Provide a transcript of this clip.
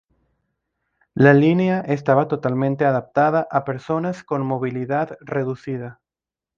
La línea estaba totalmente adaptada a personas con movilidad reducida.